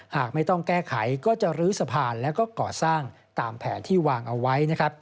หากไม่ต้องแก้ไขก็จะลื้อสะพานแล้วก็ก่อสร้างตามแผนที่วางเอาไว้นะครับ